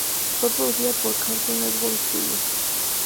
Fue producida por Cartoon Network Studios.